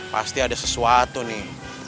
pasti ada sesuatu nih